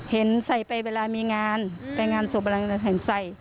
เห็นใส่ไปเวลามีงานไปงานส่งบัญญาณการ์แถ่งใส่